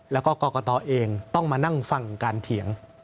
แล้วก็กรกตเองต้องมานั่งฟังการเถียง